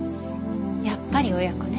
やっぱり親子ね。